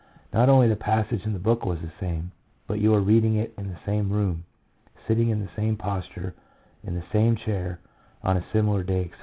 Not only the passage in the book was the same, but you were reading it in the same room, sitting in the same posture, in the same chair, on a similar day, etc.